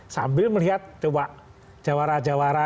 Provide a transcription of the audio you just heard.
sambil melihat jawara jawara